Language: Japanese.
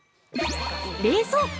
◆冷蔵庫？